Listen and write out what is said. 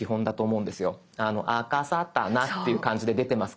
あかさたなっていう感じで出てますから。